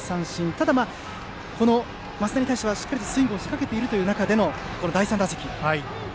ただ、升田に対してはしっかりスイングを仕掛けている中での第３打席。